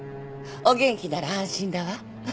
お元気なら安心だわ。